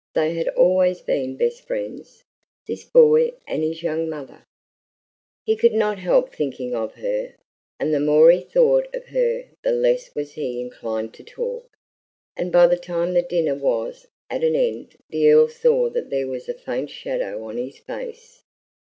They had always been "best friends," this boy and his young mother. He could not help thinking of her, and the more he thought of her the less was he inclined to talk, and by the time the dinner was at an end the Earl saw that there was a faint shadow on his face.